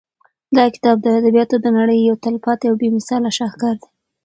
دا کتاب د ادبیاتو د نړۍ یو تلپاتې او بې مثاله شاهکار دی.